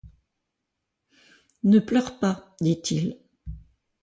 Ne pleure pas, dit-il.